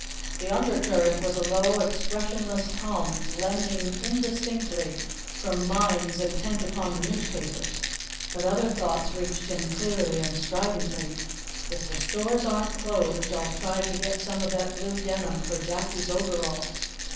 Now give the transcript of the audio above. The undercurrent was a low expressionless hum blending indistinctly from minds intent upon the newspapers; but other thoughts reached him clearly and stridently: "If the stores aren't closed, I'll try to get some of that blue denim for Jackie's overalls."